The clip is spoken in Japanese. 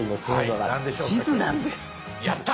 やった！